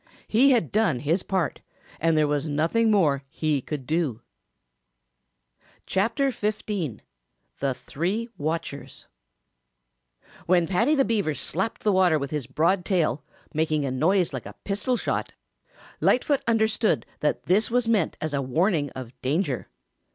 He had done his part, and there was nothing more he could do. CHAPTER XV THE THREE WATCHERS When Paddy the Beaver slapped the water with his broad tail, making a noise like a pistol shot, Lightfoot understood that this was meant as a warning of danger.